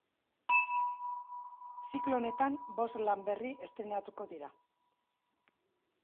Ziklo honetan bost lan berri estreinatuko dira.